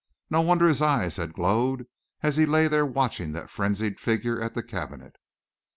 No wonder his eyes had glowed as he lay there watching that frenzied figure at the cabinet!